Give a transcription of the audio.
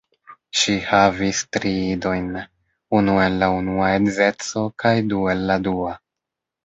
Ŝi havis tri idojn: unu el la unua edzeco kaj du el la dua.